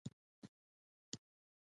د تشناب کاغذ هم تولیدوي.